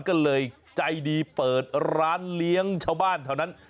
ก็เลยใจดีเปิดร้านเลี้ยงชาวบ้านแถวนั้น